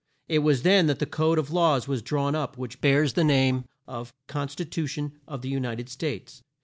It was then that the code of laws was drawn up which bears the name of "Con sti tu tion of the U ni ted States."